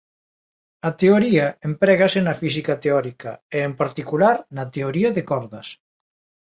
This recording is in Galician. A teoría emprégase na física teórica e en particular na teoría de cordas.